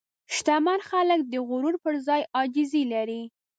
شتمن خلک د غرور پر ځای عاجزي لري.